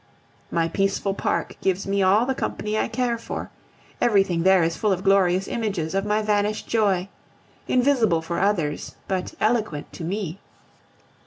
My peaceful park gives me all the company I care for; everything there is full of glorious images of my vanished joy, invisible for others but eloquent to me.